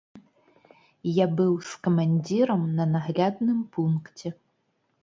Я быў з камандзірам на наглядным пункце.